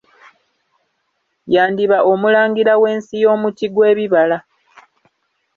Yandiba omulangira w'ensi y'omuti gw'ebibala.